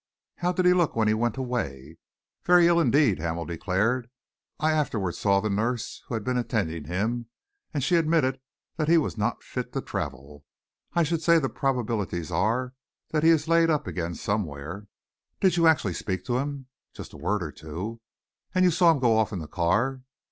"How did he look when he went away?" "Very ill indeed," Hamel declared. "I afterwards saw the nurse who had been attending him, and she admitted that he was not fit to travel. I should say the probabilities are that he is laid up again somewhere." "Did you actually speak to him?" "Just a word or two." "And you saw him go off in the car?"